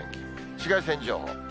紫外線情報。